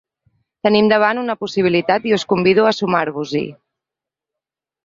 Tenim davant una possibilitat i us convido a sumar-vos-hi.